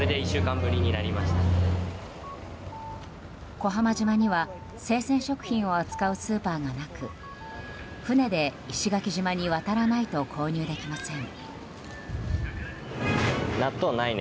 小浜島には生鮮食品を扱うスーパーがなく船で石垣島に渡らないと購入できません。